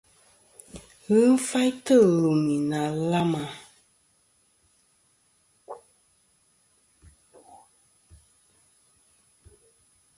Ghɨ faytɨ lùmì nɨ̀ àlamà.